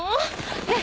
ねえ。